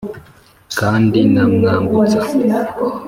Kandi na Mwambutsa